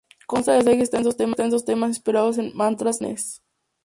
Consta de seis extensos temas inspirados en mantras hindúes.